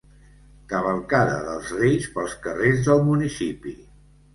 Cavalcada dels Reis pels carrers del municipi.